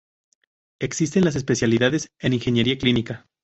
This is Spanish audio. Existen las especialidades en ingeniería clínica.